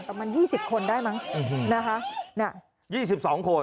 ประมาณยี่สิบคนได้มั้งนะคะน่ะยี่สิบสองคน